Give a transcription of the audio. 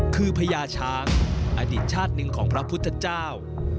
คือพญาช้างอดีตชาติหนึ่งของพระพุทธเจ้า